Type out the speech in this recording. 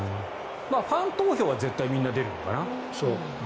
ファン投票はみんな絶対出るのかな。